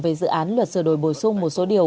về dự án luật sửa đổi bổ sung một số điều